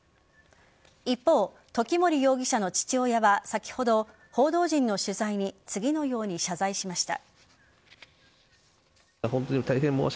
一方時森容疑者の父親は先ほど報道陣の取材に次のように謝罪しました。